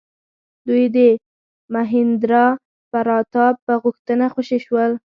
دوی د مهیندرا پراتاپ په غوښتنه خوشي شول.